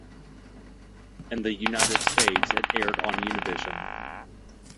In the United States, it aired on Univision.